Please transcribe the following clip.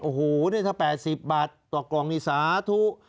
โอ้โหนี่ถ้า๘๐บาทต่อกล่องนี่สาธุ